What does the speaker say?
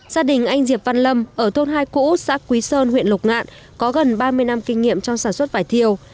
gia đình anh diệp văn lâm ở thôn hai cũ xã quý sơn huyện lục ngạn có gần ba mươi năm kinh nghiệm trong sản xuất vải thiều